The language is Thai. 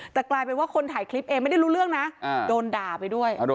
แต่กลายเป็นว่าคนถ่ายคลิปเองไม่ได้รู้เรื่องนะโดนด่าไปด้วย